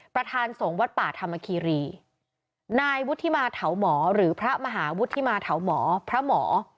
ประธานสงฆ์วัดป่าธรรมคีรีนายวุฒิมาเถาหมอหรือพระมหาวุฒิมาเถาหมอพระหมอ